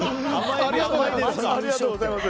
ありがとうございます。